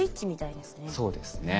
そうですね。